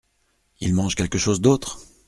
Ils mangent quelque chose d’autre ?